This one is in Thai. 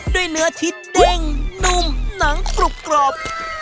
ด้วยเนื้อที่เด้งนุ่มหนังกรุบกรอบ